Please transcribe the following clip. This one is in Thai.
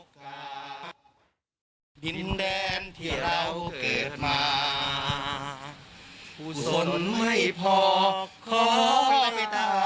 คือเป็นเพลง